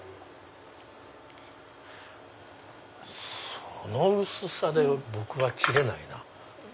その薄さで僕は切れないな。